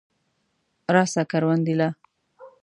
راسه کروندې له.